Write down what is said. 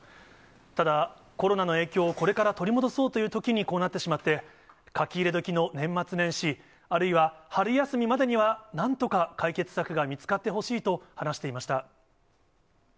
ただ、コロナの影響を、これから取り戻そうというときにこうなってしまって、書き入れ時の年末年始、あるいは春休みまでには、なんとか解決策が見つかってほしいと話していました。